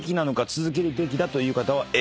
続けるべきだという方はＡ。